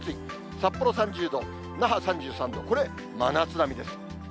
札幌３０度、那覇３３度、これ、真夏並みです。